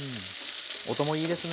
音もいいですね。